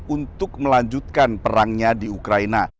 untuk melanjutkan perangnya di ukraina